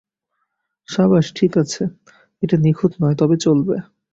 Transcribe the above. সাবাশ ঠিক আছে, এটা নিখুঁত নয় তবে চলবে।